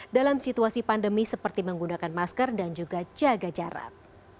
dalam situasi pandemi seperti menggunakan masker dan juga jaga jarak